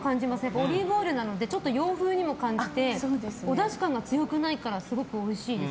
オリーブオイルなのでちょっと洋風にも感じておだし感が強くないからすごくおいしいです。